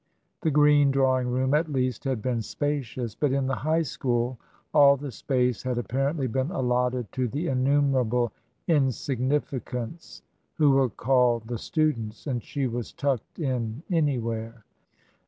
The green drawing room, at least, had been spacious; but in the High School all the space had apparently been allotted to the innumerable insignifi cants who were called the students; and she was tucked in anywhere.